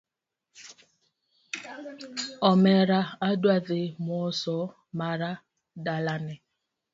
Omera adwa dhi moso mara dalane